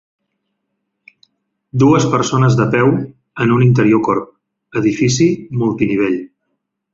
Dues persones de peu en un interior corb, edifici multinivell.